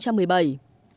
đây là bước đột phương